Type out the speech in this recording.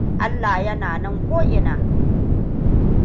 Allah yana nan ko ina.